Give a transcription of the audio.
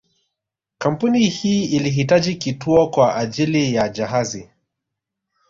Kampuni hii ilihitaji kituo kwa ajili ya jahazi